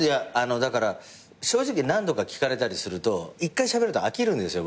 だから正直何度か聞かれたりすると１回しゃべると飽きるんですよ